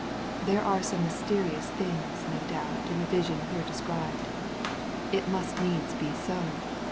There are some mysterious things, no doubt, in the vision here described. It must needs be so.